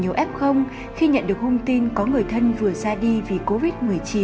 nhớ ép không khi nhận được hông tin có người thân vừa ra đi vì covid một mươi chín